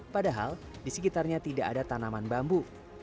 padahal di sekitarnya tidak ada tanaman bambu